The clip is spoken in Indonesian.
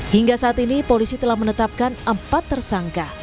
hingga saat ini polisi telah menetapkan empat tersangka